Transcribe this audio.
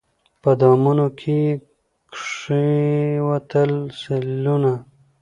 په دامونو کي یې کښېوتل سېلونه